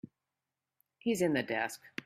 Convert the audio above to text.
He's in the desk.